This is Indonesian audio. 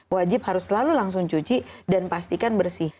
wajib harus selalu langsung cuci dan pastikan bersih